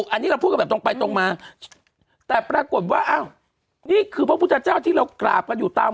อันนี้เราพูดกันแบบตรงไปตรงมาแต่ปรากฏว่าอ้าวนี่คือพระพุทธเจ้าที่เรากราบกันอยู่ตาม